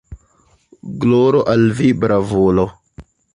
Gloro al vi, bravulo!